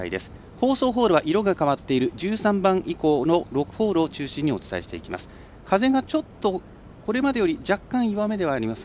放送ホールは色が変わっている１３番以降の６ホールを中心にお伝えしていきます。